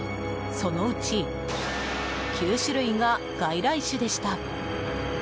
そのうち９種類が外来種でした。